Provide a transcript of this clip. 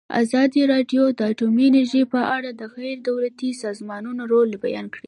ازادي راډیو د اټومي انرژي په اړه د غیر دولتي سازمانونو رول بیان کړی.